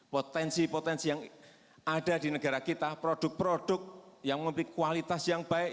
potensi potensi yang ada di negara kita produk produk yang memiliki kualitas yang baik